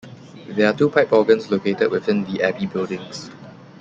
There are two pipe organs located within the abbey buildings.